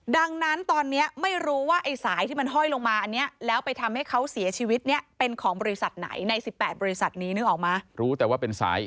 ดังนั้นตอนนี้ไม่รู้ว่าสายที่มันห้อยลงมา